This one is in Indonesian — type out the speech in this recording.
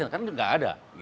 karena tidak ada